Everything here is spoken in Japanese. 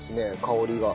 香りが。